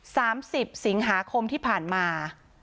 สามสิบสิงหาคมที่ผ่านมา